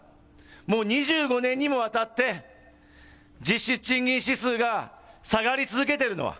もう２５年にもわたって、実質賃金指数が下がり続けてるのは。